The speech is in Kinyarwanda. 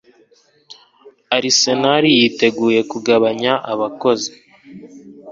Arsenal yiteguye kugabanya abakozi